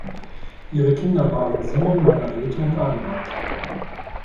Ihre Kinder waren Simon, Margarete und Adelheid.